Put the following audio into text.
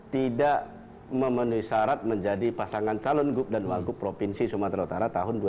tidak memenuhi syarat menjadi pasangan calon gug dan wakuk provinsi sumatera utara tahun dua ribu delapan belas